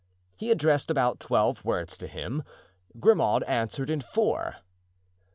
He addressed about twelve words to him; Grimaud answered in four.